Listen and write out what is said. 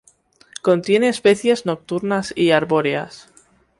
Contiene especies nocturnas y arbóreas.